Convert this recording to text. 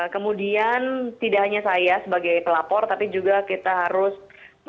kemudian tidak hanya saya sebagai pelapor tapi juga kita harus